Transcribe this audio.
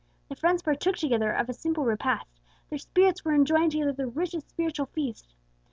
The friends partook together of a simple repast; their spirits were enjoying together the richest spiritual feast.